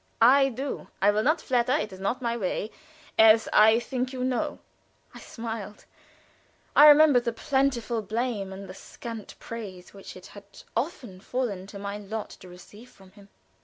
I do. I will not flatter it is not my way as I think you know." I smiled. I remembered the plentiful blame and the scant praise which it had often fallen to my lot to receive from him.